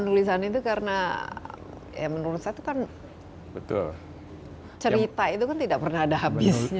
menulisan itu karena ya menulis itu kan cerita itu kan tidak pernah ada habisnya